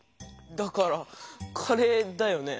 だからカレーだよね？